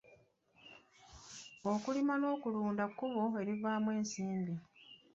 Okulima n'okulunda kkubo erivaamu ensimbi.